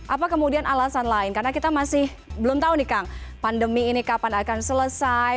apa kemudian alasan lain karena kita masih belum tahu nih kang pandemi ini kapan akan selesai